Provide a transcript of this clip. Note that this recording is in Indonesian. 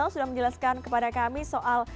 sudah menjelaskan kepada kami soal